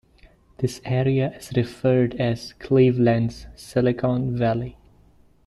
This area is referred as Cleveland's Silicon Valley.